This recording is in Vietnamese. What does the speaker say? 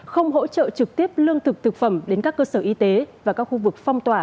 không hỗ trợ trực tiếp lương thực thực phẩm đến các cơ sở y tế và các khu vực phong tỏa